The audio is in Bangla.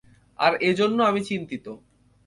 আর এজন্য আমি চিন্তিত।